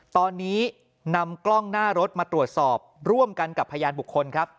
ตอนนี้นำกล้องหน้ารถมาตรวจสอบร่วมกันกับพยานบุคคลครับ